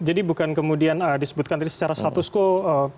jadi bukan kemudian disebutkan tadi secara status quo